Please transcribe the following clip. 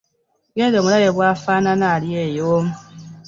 Genda omulabe bw'afaana ali eyo.